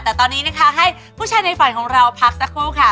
แต่ตอนนี้นะคะให้ผู้ชายในฝันของเราพักสักครู่ค่ะ